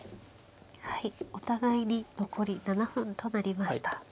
はいお互いに残り７分となりました。